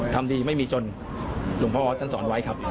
ทำดีไม่มีจนหลวงพ่อท่านสอนไว้ครับ